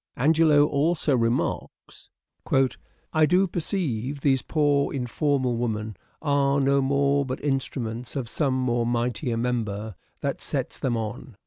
Angelo also remarks :—" I do perceive These poor informal women are no more But instruments of some more mightier member That sets them on.